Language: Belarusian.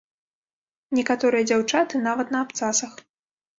Некаторыя дзяўчаты нават на абцасах.